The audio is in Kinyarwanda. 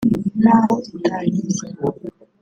naho itanyiza